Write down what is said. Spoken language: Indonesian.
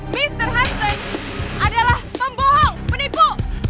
mister hanseng adalah pembohong penipu